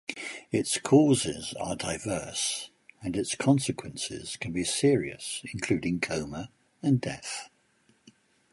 Its causes are diverse, and its consequences can be serious, including coma and death.